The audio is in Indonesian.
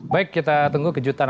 baik kita tunggu kejutan